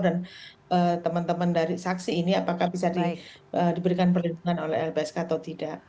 dan teman teman dari saksi ini apakah bisa diberikan perlindungan oleh lpsk atau tidak